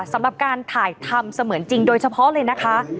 สำหรับการถ่ายทำเสมือนจริงโดยเฉพาะเลยนะคะ